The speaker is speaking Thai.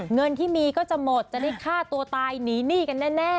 เงินที่มีก็จะหมดจะได้ฆ่าตัวตายหนีหนี้กันแน่